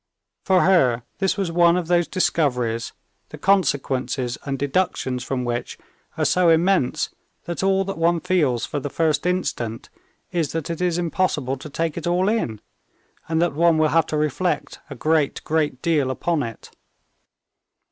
For her this was one of those discoveries the consequences and deductions from which are so immense that all that one feels for the first instant is that it is impossible to take it all in, and that one will have to reflect a great, great deal upon it.